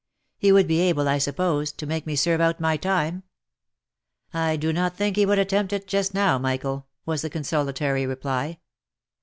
He would be able, I suppose, to make me serve out my time ?"" I do not think he would attempt it just now, Michael V was the consolatory reply.